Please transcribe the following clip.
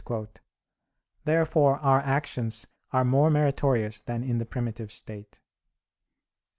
Therefore our actions are more meritorious than in the primitive state.